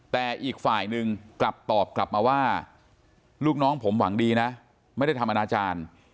แต่อีกฝ่ายหนึ่งกลับตอบกลับมาว่าลูกน้องผมหวังดีนะไม่ได้ทำอนาจารย์